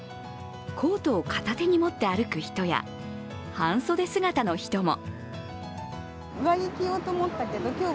コートを片手に持って歩く人や半袖姿の人も。